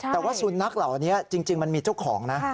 แต่ว่าสุนัขเหล่านี้จริงมันมีเจ้าของนะ